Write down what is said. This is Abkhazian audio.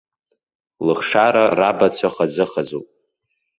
Лыхшара рабацәа хазы-хазуп.